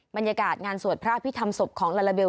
บรรยากาศงานสวดพระพิธรรมศพของลาลาเบล